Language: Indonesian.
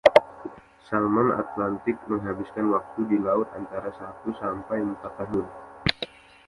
Salmon Atlantik menghabiskan waktu di laut antara satu sampai empat tahun.